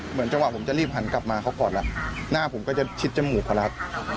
เหมือนจังหวะผมจะรีบหันกลับมาเขาก่อนล่ะหน้าผมก็จะชิดจมูกพอแล้ว